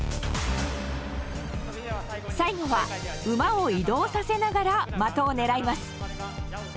最後は馬を移動させながら的を狙います。